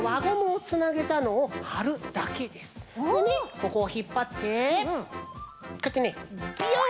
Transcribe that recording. ここをひっぱってこうやってねビヨン！